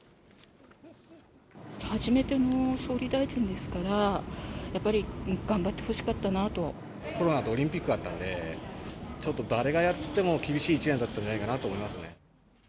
初めての総理大臣ですから、コロナとオリンピックあったんで、ちょっと、誰がやっても厳しい１年だったんじゃないかなと思いますね。